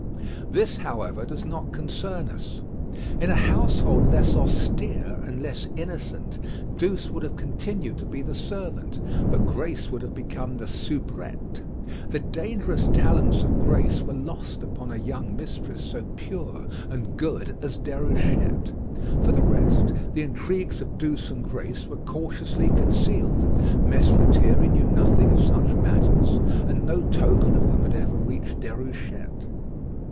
This, however, does not concern us. In a household less austere and less innocent, Douce would have continued to be the servant, but Grace would have become the soubrette. The dangerous talents of Grace were lost upon a young mistress so pure and good as Déruchette. For the rest, the intrigues of Douce and Grace were cautiously concealed. Mess Lethierry knew nothing of such matters, and no token of them had ever reached Déruchette.